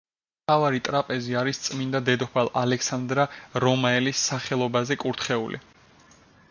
მთავარი ტრაპეზი არის წმინდა დედოფალ ალექსანდრა რომაელის სახელობაზე კურთხეული.